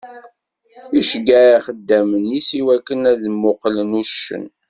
Iceyyeε ixeddamen-is i wakken ad as-d-muqqlen uccen.